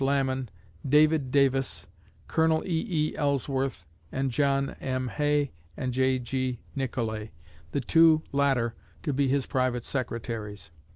Lamon, David Davis, Col. E.E. Ellsworth, and John M. Hay and J.G. Nicolay, the two latter to be his private secretaries.